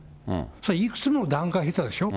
それ、いくつも段階経たでしょ。